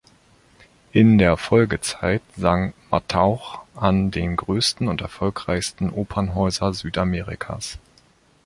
In der Folgezeit sang Mattauch an den größten und erfolgreichsten Opernhäusern Südamerikas.